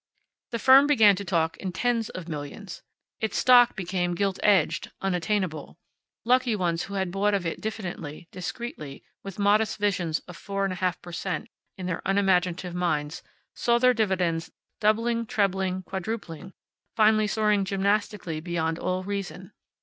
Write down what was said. The firm began to talk in tens of millions. Its stock became gilt edged, unattainable. Lucky ones who had bought of it diffidently, discreetly, with modest visions of four and a half per cent in their unimaginative minds, saw their dividends doubling, trebling, quadrupling, finally soaring gymnastically beyond all reason.